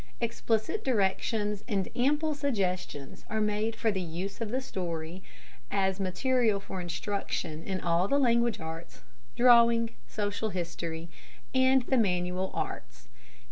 Explicit directions and ample suggestions are made for the use of the story as material for instruction in all the language arts, drawing, social history, and the manual arts.